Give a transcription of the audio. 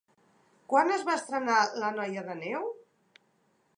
Quan es va estrenar La noia de neu?